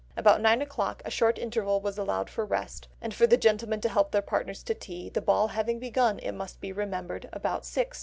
About nine o'clock a short interval was allowed for rest, and for the gentlemen to help their partners to tea, the ball having begun, it must be remembered, about six.